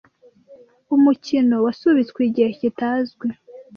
Umukino wasubitswe igihe kitazwi.